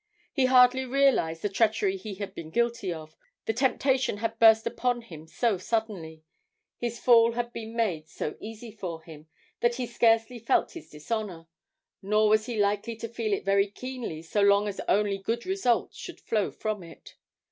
He hardly realised the treachery he had been guilty of, the temptation had burst upon him so suddenly, his fall had been made so easy for him, that he scarcely felt his dishonour, nor was he likely to feel it very keenly so long as only good results should flow from it.